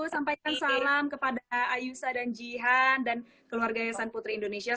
sampaikan salam kepada ayusa dan jihan dan keluarga yayasan putri indonesia